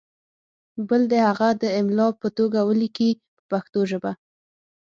بل دې هغه د املا په توګه ولیکي په پښتو ژبه.